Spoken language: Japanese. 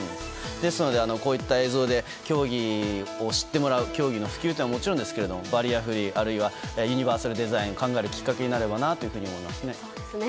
ですので、こういった映像で競技を知ってもらい競技の普及というのはもちろんですけどバリアフリーあるいはユニバーサルデザインを考えるきっかけになればと思いますね。